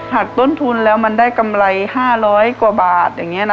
หักต้นทุนแล้วมันได้กำไร๕๐๐กว่าบาท